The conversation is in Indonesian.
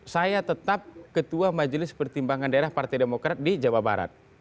saya tetap ketua majelis pertimbangan daerah partai demokrat di jawa barat